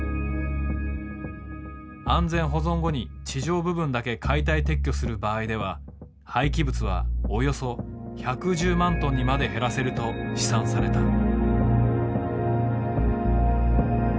安全保存後に地上部分だけ解体撤去する場合では廃棄物はおよそ１１０万トンにまで減らせると試算された。